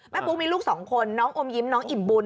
แม่ปุ๊กมีลูก๒คนน้องอมยิ้มน้องหิบบุญ